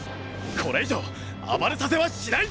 これ以上暴れさせはしないぞ！